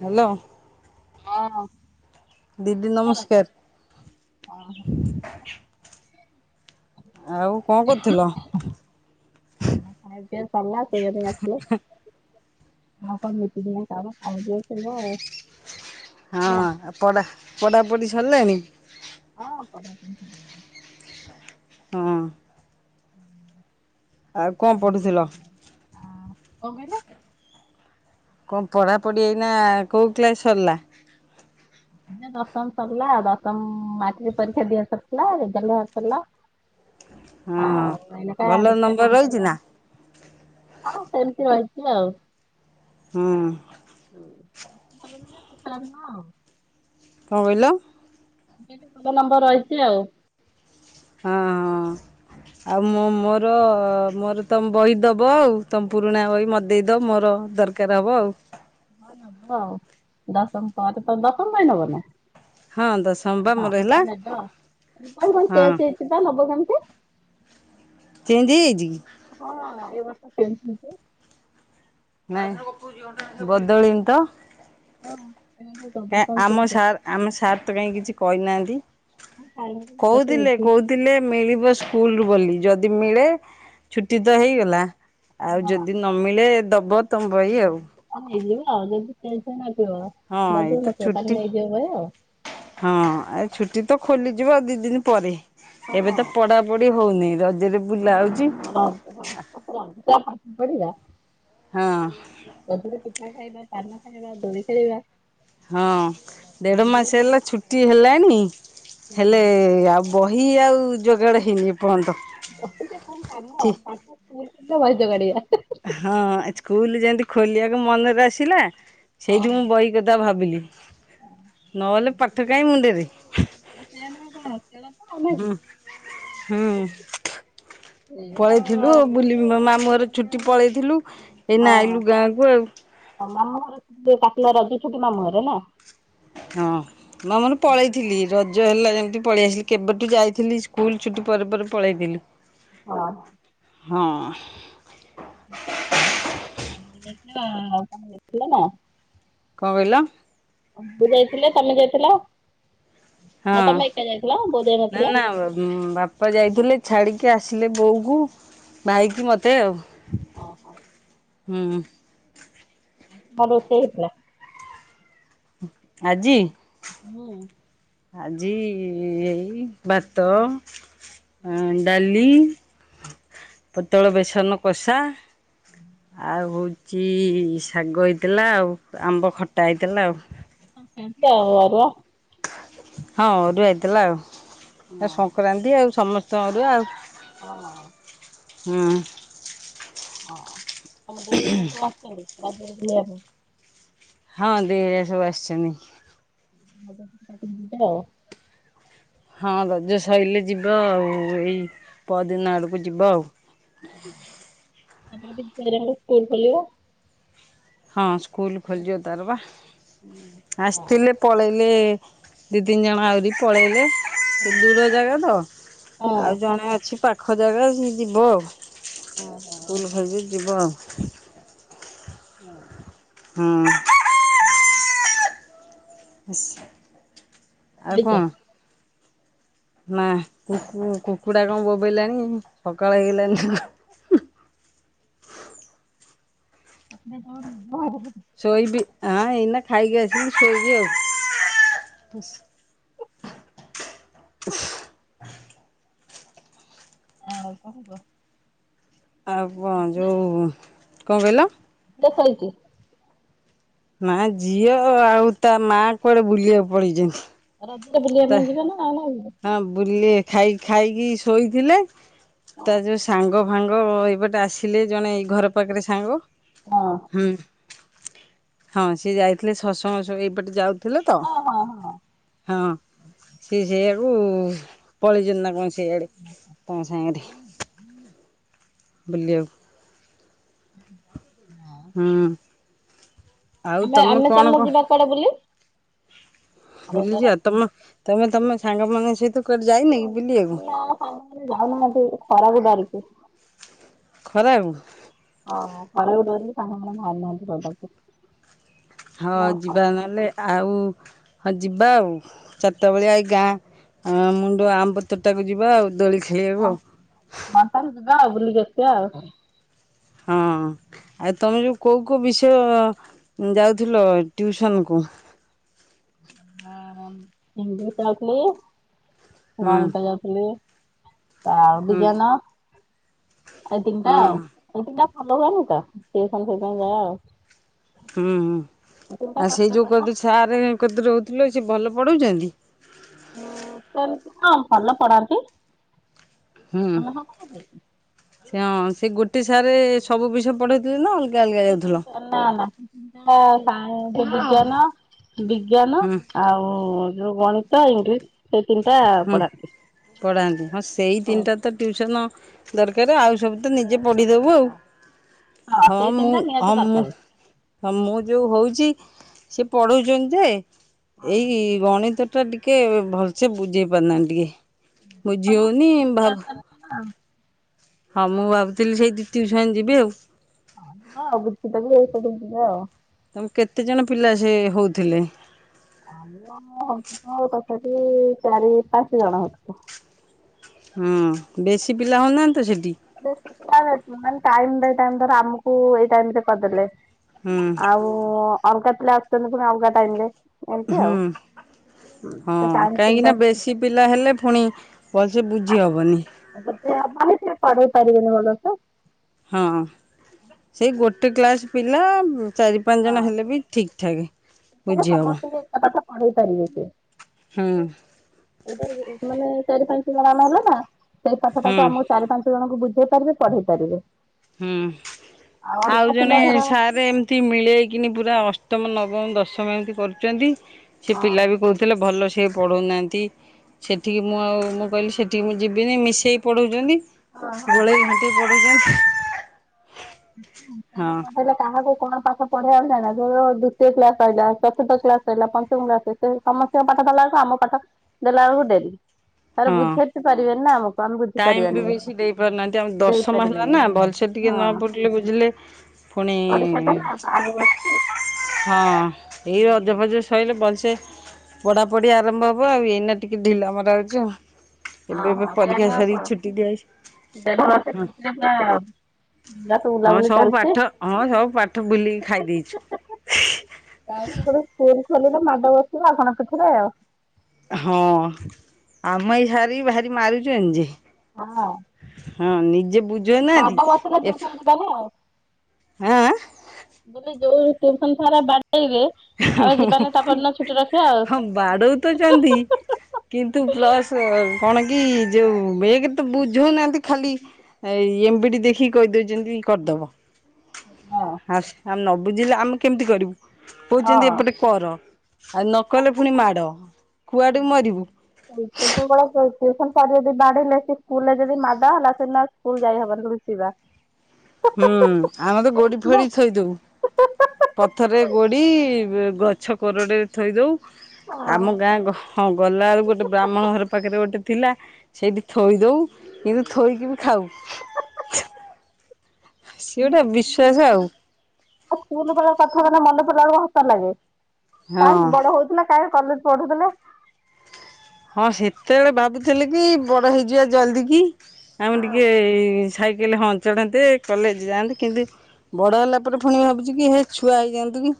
Hello. ହଁ। ଦିଦି ଶିବରାଜ ହଁ ହଁ ନମସ୍କାର। ଆଉ କଣ କରୁଥିଲ? ଖାଇବା ପିଇବା ସରିଲା ଶୋଇବା ପାଇଁ ଆସିଲେ ଆଉ କଣ ନିତିଦିନିଆ କାମ କାମ ଯେବେ ସରିବ। ହଁ ପଡ଼ା ପଡି ସରଲାଣି। ହଁ ପଢ଼ା ପଢ଼ି ସରଲାଣି। ହଁ। ହୁଁ। ଆଉ ପଢୁଥିଲ? କଣ କହିଲେ। କଣ ପଢା ପଢି ଏଇନା କୋଉ କ୍ଲାସ ସରିଲା। ଏଇନା ଦଶମ ସରିଲା ଦଶମ ମାଟ୍ରିକ୍ ପରୀକ୍ଷା ଦିଆ ସାରଥିଲା ରେଜଲ୍ଟ ବାହାରି ସାରିଲା। ହଁ ଆଉ ଏଇନେକା ଭଲ ଦେଖିଆ କଣ ନମ୍ବର ରହିଛି କରିବା ନା। ହଁ ସେମିତି ରହିଛି ଆଉ। ହୁଁ। କିଛି ଭଲ ନୁକା କିଛି ଖରାପ ନୁହ ଆଉ। କଣ କହିଲ। ମୁଁ କହିଲି ଭଲ ନମ୍ବର ରହିଛି ଆଉ। ହଁ ହଁ ଆଉ ମୋ ମୋର ମୋର ତମ ବହି ଦବ ଆଉ ତମ ପୁରୁଣା ବହି ମତେ ଦେଇଦବ ମୋର ଦରକାର ହବ ଆଉ। ହଁ ନବ ଦଶମ ପା ଦଶମ ପାଇଁ ନବ ନା। ହଁ ଦଶମ ବା ମୋର ହେଲା। ହଁ ନେବ ଦଶମ ବହି ହଁ ଚେଞ୍ଜ ହେଇଚି ପା ନବ କେମିତି। ଚେଞ୍ଜ ହେଇଯାଇଛି କି। ବ୍ୟବସ୍ଥା ଚେଞ୍ଜ ହେଇଚି। ନାଇଁ ବଦଳିନି ତ। ହଁ। କାଇ ଆମ ସାର୍ ଆମ ସାର୍ ତ କାହିଁ କିଛି। କହିନାହାନ୍ତି। କହୁଥିଲେ କହୁଥିଲେ ମିଳିବ। ସ୍କୁଲ ରୁ ବୋଲି ଯଦି ମିଳେ ଛୁଟି ତ ହେଇଗଲା। ଆଉ ଯଦି ନ ମିଳେ ଦ ଦବ୍ ତମ ବହି ଆଉ। ନେଇଯିବ ଆଉ ଯଦି ଚେଞ୍ଜ ହେଇନ ନଥିବ ହଁ ବଦଳି ଏଇତ ନଥିବ ଛୁଟି ତାହେଲେ ନେଇଯିବ ଫେରେ। ହଁ ଆଉ ଛୁଟି ତ ଖୋଲିଯିବ ଦି ଦିନ ପରେ ଏବେ ତ ପଢାପଢି ହଉନି ରଜରେ ବୁଲା ହଉଛି ହଁଁ ପିବା ଖାଇବା ହଁ ପାନ ଖାଇବା ଦଳି ଖେଳିବା ହଁ ଦେଢ ମାସ ବୁଲିବା ହେଲା ଛୁଟି ହେଲାଣି ହେଲେ ଆଉ ଆଉ ଯୋଗାଡ ହେଇନି ଏପର୍ଯ୍ୟନ୍ତ। ବସଟା କଣ କାମ ଠି ପା ଭଜୋଗାଡ଼ିଆ ହଁ ସ୍କୁଲ ଯେମିତି ଖୋଲିବାକୁ ମନରେ ଆସିଲା ହଁ ସେଇଠୁ ମୁଁ ଆଉ ବହି କଥା ଭାବୁି ବୋଲିିଲଲି ନହେଲେ ପା ଠ କାଇଁ ମୁଣ୍ଡେରେ ଆପ ପା ହୁଁ ପା ପଳେଇଥିଲୁ ବୁଲି ମାମୁଁ ଘର ଛୁଟି ପଳାଇଥିଲୁ ହଁ ମାମର ପିଲା ରଗିଛ ତମ ମୁହଁରେ ନା ହଁ ମାମାନ ପଳେଇଥିଲି ର ଜ ହେଲା ଯେମିତି ପଳେଇ ଆସଥିଲି କେବେଠୁ ଯାଇଥିଲି ସ୍କୁଲ ଛୁଟି ପରେ ପରେ ପଳେଇଥିଲୁ। ହଁ। ହଁ। କ ନା କଣ କହିଲ? ମୁ ଯାଇଥିଲେି ତମେ ଯାଇଥିଲ ହଁ ନା ତମେ ଏକା ଯାଇଥିଲ ବୋଉ ନା ଯାଇନଥିଲେ? ନା ବାପା ଯାଇଥିଲେ ଛାଡିକି ଆସି ଆସିଲେ ବୋଉକୁ ଭାଇ କି ମତେ ଆଉ ହଁ। ମରୁତ ନା ଆଜି ହଁ ଆଜି ଏଇ ଭାତ ଆ ଡାଲି ପୋତଳ ବେସନ କଷା ଆଉ ହଉଛି ଶାଗ ହେଇଥିଲା ଆଉ ଆମ୍ବ ଖଟା ହେଇଥିଲା ଆଉ। ସେବା ହଁରୁଆଇଥିଲା ଆଉ ଆ ଶଙ୍କ ରାନ୍ତିି ଆଉ ସମସ୍ତ ତଦୁ ଆଉ ହଁ। ହଁ ହଁ ଆମ ଦେରେ ସେ ମାସି ବଜରିଲବ ହଁ ଦିରେ ସବୁ ଆସିଛନ୍ତି। [inaudible] ହଁ ରଜ ସରିଲେ ଯିବା ଆଉ ଏଇ ପଦିନ ଆଡକୁ ଯିବା ଆଉ। ଆପଣ ସ୍କୁଲ ଖଲିବ ହଁ। ସ୍କୁଲ ଖୋୋଲିଯ ତାର ବା ହଁ ଆସିଥିଲେ ପଳେଇ ଦି ତିନି ଜଣ ଆହୁରି ପଳେଇଲେ ସେ ଦୂର ଜାଗା ତ ହଁ ଆଉ ଜଣେ ଅଛି ପାଖ ଖୋଜାଗ ଯିବ ଉଲ ଭାବି ଯିବ [inaudible] ହୁଁ। ହଁ। ଇସ୍। ଆଉ ଶୋଇଛ? କଣ? ନା କୁକୁ କୁକୁଡା କଣ ବୋବେଇଲାଣି ସକାଳ ହେଇଲାଣିି। କୁକୁଡ଼ା କଣ ମୋ ମୋ ହବ। ଶୋଇବି ହଁ ଏଇନା ଖାଇକି ଆସିଲି ଶୋଇବି ଆଉ। [unintelligible] ଆଉ କଣ କହ। ଆଉ କଣ ଯୋଉ କଣ କହିଲ? ସେ ଶୋଇଛି। ନା ଝିଅ ଆଉ ତା ମା କୁଆଡେ ବୁଲିବାକୁ ପଳେଇଛନ୍ତି। ରଜ ବୁଲିବା ତା ପାଇଁ ଯିବେନା ଆଉ ହଁ ବୁଲି ଖାଇ ଖାଇକି ଶୋଇଥିଲେ ହଁ ତାର ଯୋଉ ସାଙ୍ଗ ସାଙ୍ଗ ଏଇପଟେ ଆସିଲେ ଜଣେ ଏଇ ଘର ପାଖରେ ସାଙ୍ଗ। ହଁ। ହୁଁ ହଁ ସିଏ ଯାଇଥିଲେ ସତ୍ ସଙ୍ଗ୍ ସବୁ ଏଇପଟେ ଯାଉ ଥିଲେ ତ ହଁ ହଁ ହଁ ହଁ। ସେ ସେୟାକୁ ପଳେଇଛନ୍ତି ନା କଣ ସେୟାଡେ ତମ ସାଙ୍ଗରେ। ବୁଲିଆକୁ। ହଁ। ହୁଁ। ଆଉ ଆମେ ତମେ ଆମେ ଚାଲ ଯିବା କୁଆଡେ ବୁଲି। ରଜରେ ବୁଲିଯିବା ତମେ ତମେ ତମେ ସାଙ୍ଗମାନଙ୍କ ସହିତ କୁଆଡ଼େ ଯାଇନ କି ବୁଲିବାକୁ ନାଁ ନାଁ ଯାଇନୁ ଖରା କୁ ଡରିକି। [unintelligible] ଖରା ବେଳକୁ। ହଁ ଖରା ହଉଛି ବୋଲି ତାଙ୍କର ସବୁ ବାହାରୁ ନାହାନ୍ତି ପଦାକୁ। ହଁ ଯିବା ନହେଲେ ଆଉ ହଁ ଯିବା ଆଉ ଚାରିଟା ବେଳିଆ ଏଇ ଗାଁ ମୁଣ୍ଡ ଆମ୍ବ ତୋଟାକୁ ଯିବା ଆଉ ଦୋଳି ଖେଳି ଖେଳିବାକୁ ଆଉ। ତାହେଲେ ଯିବା ଆଉ ବୁଲିକି ଆସିବା ଆଉ। ହଁ ଆଉ ତମେ ଯୋଉ କୋଉ କୋଉ ବିଷୟ ଯାଉଥିଲ ଟିଉସନ୍ କୁ? ଆ ଇଂଲିଶ ଯାଉଥିଲି। ହୁଁ ଗଣିତ ଯାଉଥିଲି। ପାଉ ହୁଁ ଟିକାନ [inaudible] ସେଇ ତିନିଟା ହୁଁ ଆଉ। ଷ୍ଟେସନ ଫେସନ ଯା ଆଉ। ହୁଁ ହୁଁ ତିନିଟା ଆଉ ସେଇ କଷ୍ଟ ଯୋଉ ପାଠ କ ସାରଙ୍କ ସେ ଭଲ ପଢ଼ାଉଛନ୍ତି। ଉଁ ସେମିତି ହଁ ଭଲ ପଢାନ୍ତି। ହୁଁ ଆମେ ହଁ କଣ ହଁ ସେ ଗୋଟେ ସାରେ ସବୁ ବିଷୟ ପଢେଇଥିଲେ ନା ଅଲଗା ଅଲଗା ସେ ଯାଉଥିଲ? ନା ସେ ବିଜ୍ଞାନ ହୁଁ ଆଉ। ଗଣିତ ଇଂଲିଶ ସେଇ ତିନିଟା ହୁଁ ପଢାନ୍ତି। ପଢାନ୍ତି ହଁ ସେଇ ତିନିଟା ତ ଟ୍ୱିସନ ଦରକାର ଆଉ। ସବୁ ତ ନିଜେ ନିହାତି ପଢିଦବୁ ଆଉ ଦରକାର ହଁ ସେଇ ମୁଁ ତିନିଟା ହଁ ନିହାତି ମୁ ଦରକାର। ହ ମୁଁ ଯୋଉ ହଉଛି। ସେ ପଢୁଛନ୍ତି। ଏଇ ଗଣିତ ତ ଟିକେ ଭଲ ସେ ବୁଝେଇ କରୁନାହାନ୍ତି ଟିକେ। ବୁଝି ହଉନି ଭାବ [inaudible] ହଁ ମୁଁ ଭାବୁଥିଲି ସେଇ ଟଟିଉସନ ଯିବି ଆଉ। [unintelligible] ଆଉ ତମ କେତେ ଜଣ ପିଲା ସେ ହଉଥିଲେ। ଆମ ହୋଇଥିଲୁ ତଥାପି ଚାରି ପାଞ୍ଚ ଜଣ ହୋଉଥିଲୁ। ହଁ ବେଶୀ ପିଲା ହଉନାହାନ୍ତି। ସେଠି ଟାଇମ୍ ବାଇ ଟାଇମ୍ ଧର ଆମକୁ ଏଇ ଟାଇମରେ କରିଦେଲେ। ହୁଁ ଆଉ। ଅଲଗା ପିଲା ଆସଛନ୍ତି ପୁଣି ଅଲଗାଟାଇମ ରେ ଏମିତି ହୁଁ ଆଉ। ସେ ହଁ ଟାଇମ କାହିଁକି ନା ତିନିଟା ବେଶୀ ପିଲା ହେଲେ ପୁଣି ଭଲସେ ବୁଝିହବନି। ମାନେ ସେ ପଢେଇ ପାରିବେନି ଭଲସେ ହଁ ସେଇ ଗୋଟେ ଗୋଟେ ଗ୍ଲାସ ପିଲା ଚାରି ପାଞ୍ଚ ଜଣ ହେଲେ ବି ଠିକ୍ ଠାକ। କଇଲା ସମସ୍ତଙ୍କ ର ଏକା ପାଠ। ପଢେଇ ପାରିବେ ସିଏ। ହୁଁ ହେଇପାରେ ଯେ ସେମାନେ। ଚାରି ପାଞ୍ଚ ଜଣ ଆମେ ହେଲୁ ନା। ସେଇ କଥା ଟାକୁ ହୁଁ ଆମକୁ ଚାରି ପାଞ୍ଚ ଜଣଙ୍କୁ ବୁଝ ହେଇପାରିବେ ପଢେଇ ପାରିବେ। ହୁଁ ଆଉ ଅଲଗା ଜଣେ ପିଲା ଧର ସାର୍ ଏମତି ମିଳେଇକିନି ପୁରା ଅସ ସପ୍ତମ ନବମ ଦଶମ ଏମିତି କରୁଛନ୍ତି। ସେ ପିଲା ବି କହୁଥିଲେ ଭଲ। ସେ ପଢ଼ଉନାହାଁନ୍ତି ସେଠିକି ମୁଁ ଆଉ ମୁଁ କହିଲି ସେଠିକି ମୁଁ ଯିବିନି ମିଶେଇକି ପଢ଼ାଉଛନ୍ତି। ଗୋଲେଇ ଘାଣ୍ଟି ପଢ଼ [inaudible] ହଁ ଏବେ କାହାକୁ। କଣ ପାଠ ପଢିବା ଜାଣେନା ଦ୍ଵିତୀୟ କ୍ଲାସ ରହିଲା ଚତୁର୍ଥ କ୍ଲାସ ରହିଲା ପଞ୍ଚମ କ୍ଲାସ ସମସ୍ତଙ୍କ ପାଠ ସରିଲା ବେଳକୁ ଆମ ପାଠ ଦେଲା ବେଳକୁ ଡେରି। ଥରେ ହଁ ବୁଝେଇି ବି ପାରିବେନି। ନା ମ। ଟାଇମ ବି ବେଶୀ ଦେଇ ପାରୁନାହାନ୍ତି ଆମେ ଦଶମ ହେଲା ଦେଇପାରିବେନି ନା ଭଲସେ ଟିକେ ନ ପଢ଼ି ହଁ ପାଢ଼ୀଲେ ବୁଝିଲେ ପୁଣି ଓଡିଶାଟା ନା ଆଗକୁ ଅଛି ହଁ। ଏଇ ରଜ ଫଜ ସଇଲେ ଭଲସେ ପଢା ପଢି ଆରମ୍ଭ ହବ ଆଉ ଏଇନା ଟିକେ ଢିଲା ମରା ହୋଉଚି ଆଉ।। ଏବେ ହଁ ଏବେ ପରି ହଁ ହଁ ଦେଢମାସେ ହଁ ଛୁଟିରେ ପୁରା ବିନଦାସ୍ ହଁ ବୁଲାବୁଲି ସବୁ ଚାଲିଚି ପାଠ ହଁ ସବୁ ପାଠ ବୁଲିକି ଖାଇ ଦେଇଛୁ ତା ଉପରେ ଷ୍କୁ ଖଲିତ ମାଡ଼ ବସିବ ଆଉ କଣ ପିଠିରେ ଆଉ। ହଁ ଆମେ ଏଇ ସାରିବି ଭାରି ମାରୁଛୁନ୍ତି ଯେ। ହଁ। ହଁ ନିଜେ ବୁଝୋଉନାହାନ୍ତି ମାଡ ବସିଲେ ଟ୍ୟୁସନ ଏଥ ଯିବାନି ଆଉ। ଆଁ ଆଁ। ବୋଲେ ଯୋଉ ଟ୍ୟୁସନ ସାରା ବା ଛୁଟି ରଖିବା ଆଉ। ହଁ ବାଡ଼ଉତଚନ୍ତି କିନ୍ତୁ ପ୍ଲସ୍ କଣ କି ଯୋଉ ଏକେରତ ବୁଝୋଉନାହାନ୍ତି ଖାଲି ଏମଵି ଡ଼ି ଦେଖିକି କଇଦୌଛନ୍ତି କରିଦବ। ହଁ ଆସ ଆ ନବ ବୁଝିଲେ ଆମେ କେମତି କରିବୁ। କଉଚନ୍ତି ଏପଟେ ହଁ। କର। ହାନ କଲେ ପୁଣି ମାଡ଼ କୁଆଡୁ ମରିବୁ। ଛୋଟବେଳେ ଟ୍ୟୁସନ ସାର ଯଦି ବାଡେଇଲେ ସେ ସ୍କୁଲରେ ଯଦି ମାଡ ହେଲା ସେଦିନ ସ୍କୁଲ ଯାଇହବନି ନୁଚିବା। ହୁଁ ଆମେ ତ ଗୋଡି ଫୋଡି ଥୋଇଦୋଉ ପଥରେ ଗୋଡି ଇବ୍ ଗଛ କୋରଡ଼ରେ ଥୋଇଦୋଉ। ଆମ ଗାଁ ହଁ ଗଲାଓଳୁକୁ ଗୋଟେ ବ୍ରାହ୍ମଣ ଘର ପାଖରେ ଗୋଟେ ଥିଲା ସେଇଠି ଥୋଇ ଦୋଉ କିନ୍ତୁ ଥୋଇକିବି ଖାଉ। ସିଏ ଗୋଟେ ଶୀଘ୍ର ସ୍କୁଲ ବିଶ୍ଵାସ ବେଳ ଆଉ ପାଖ ସ୍କୁଲ ବେଳ ପାଖ ହେନେ ମନେ ପଡିଲାବୋଳୁକୁ ହସ ଲାଗେ। କାଇଁ ହଁ। ବଡ ହୋଉଥୁ ନା କାଇଁ କଲେଦ ପଢୁଥୁଲେ। ହଁ ସେତେବେଳେ ଭାବୁଥିଲିକି ବଡ ହେଇଯିବା ଜଲ୍ଦି କି। ଆମେ ଟିକେ ଏ ସାଇକେଲ ହଁ ଚଢ଼ନ୍ତେ କଲେଜ ଯାଆନ୍ତେ କିନ୍ତୁ ବଡ଼ ହେଲା ପରେ ପୁଣି ଭାବୁଛି କି ହେ ଛୁଆ ହେଇଯାଆନ୍ତୁ କି।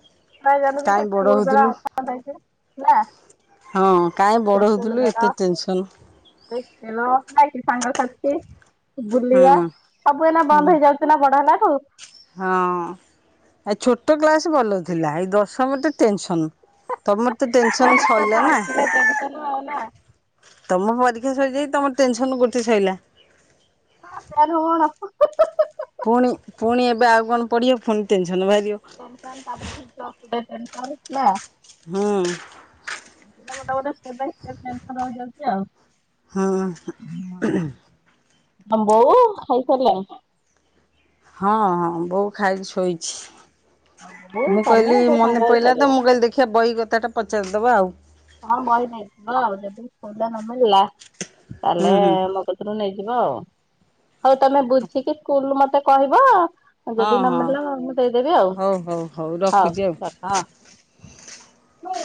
ଆ ଚାଲୁ ବି କାହିଁ ତା ବଡ଼ ସ୍କୁଲବେଳ ହେଉଥିଲୁ। ନା ଆ ହଁ କାହିଁ ବଡ଼ ହେଉଥିଲୁ ଏତେ ଟେନସନ୍ ରାଲ ନାଇକ ସଙ୍ଗ ସେ ହୁଁ ବୁଲିବା ସବୁଦିନ ହୁଁ। ବନ୍ଦ ହେଇଯାଉଥିଲା ବଡ ହେଲା ତୁ ହଁ ଏ ଛୋଟ କ୍ଲାସ ଭଲ ଥିଲା ଏଇ ଦଶମ ଟେ ଟେନସନ ତମର ତ ଟେନସନ ପରୀକ୍ଷା ସଇଲା ତ ନା ଆସିଲେ ଟେନସନ ଆଉ ନା ତମ ପରୀକ୍ଷା ସୋଇଯାଇ ତମ ଟେନସନ ଗୋଟେ ସଲା ହ ତ ହଣ ପୁଣି ପୁଣି ଏବେ ଆଉ କଣ ପଢିବ ପୁଣି କେମ ସେମସ ତାପରେ ପ୍ର ଠାରୁ ନା ହଁ। ପା ଗୋଟେ ଗୋଟେ ଷ୍ଟେପ ବାଇ ଷ୍ଟେପ ଯାଉଛି ଆଉ। ହଁ। ଆମ୍ବୋ ଖାଇସରିଲଣି ହଁ ହଁ ବୋଉ ଖାଇ ବୋଉ ଶୋଇଛି। ମୁଁ ତମେ କହିଲି ସବୁ ସାଙ୍ଗ ମନେ ହେଇ ପହିଲା ତ ଖାଇଲଣି ମୁଁ କହିଲି ଦେଖିବା ବହି କଥା ଟା ପଚାରି ସେ ଦେବା ଆଉ ହଁ ମାଇ ନାଇଉ ଜ ହ ନମିଲ ହୁଁ ତାହେଲେ ହୁଁ ମୋ କଥିରୁ ନେଇଯିବ ଆଉ। ହଉ ତମେ ବୁଝିକି ସ୍କୁଲୁ ମତେ କହିବ। ହଁ ଯଦି ହଁ ନମିଳିଲେ ମୁଁ ଦେଇଦେବି ଆଉ ହଉ ହଉ ହଉ ରଖୁଛି ଆଉ। ରଖ ହଁ।